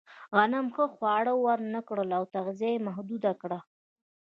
غنم ښه خواړه ورنهکړل او تغذیه یې محدوده کړه.